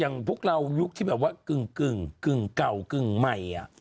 พวกเรายุคที่แบบว่ากึ่งเก่ากึ่งใหม่